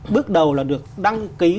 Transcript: bước đầu là được đăng ký